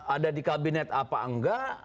ada di kabinet apa enggak